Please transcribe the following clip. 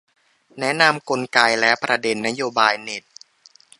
แนะนำกลไกและประเด็นนโยบายเน็ต